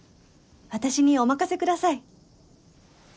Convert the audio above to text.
私にお任せください。